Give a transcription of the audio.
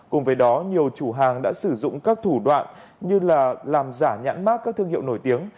cùng với đó nhiều chủ hàng đã sử dụng các thủ đoạn như là làm giả nhãn mát các thương hiệu nổi tiếng